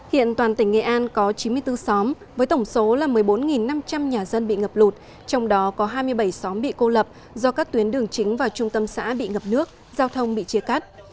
hiện toàn tỉnh nghệ an có chín mươi bốn xóm với tổng số là một mươi bốn năm trăm linh nhà dân bị ngập lụt trong đó có hai mươi bảy xóm bị cô lập do các tuyến đường chính và trung tâm xã bị ngập nước giao thông bị chia cắt